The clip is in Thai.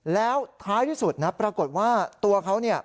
แล้วท้ายที่สุดปรากฏว่าตัวเขา